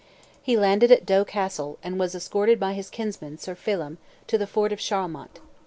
He landed at Doe Castle, and was escorted by his kinsman, Sir Phelim, to the fort of Charlemont.